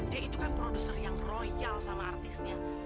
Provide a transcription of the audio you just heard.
dia itu kan produser yang royal sama artisnya